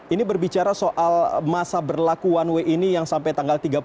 ini berbicara soal masa berlaku one way ini yang sampai tanggal tiga puluh